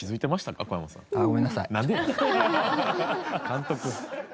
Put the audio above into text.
監督。